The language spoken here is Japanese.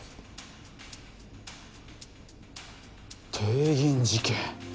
帝銀事件